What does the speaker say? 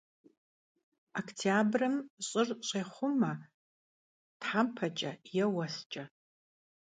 Voktyabrım ş'ır ş'êxhume thempeç'e yê vuesç'e.